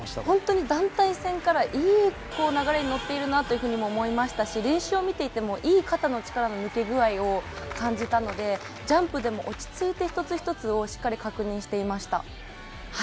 本当に団体戦からいい流れに乗っているなと思いましたし、練習を見ても、いい肩の力の抜け具合を感じたのでジャンプでも落ち着いて一つ一つをしっかり確認していました。